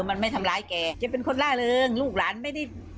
มันไม่ทำร้ายแกจะเป็นคนล่าเริงลูกหลานไม่ได้